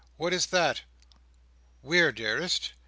"What is that?" "Where, dearest?"